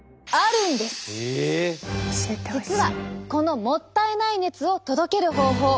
実はこのもったいない熱を届ける方法。